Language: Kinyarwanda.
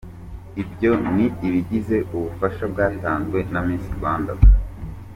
Ibyo ni ibigize ubufasha bwatanzwe na Miss Rwanda.